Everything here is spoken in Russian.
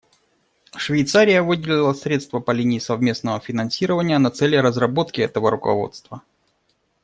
Швейцария выделила средства по линии совместного финансирования на цели разработки этого руководства.